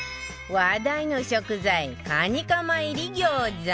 話題の食材カニカマ入り餃子